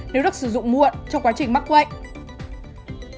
nếu được sử dụng muộn trong quá trình mắc bệnh